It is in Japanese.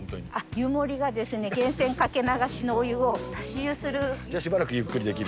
湯森が源泉かけ流しのお湯を、足し湯する。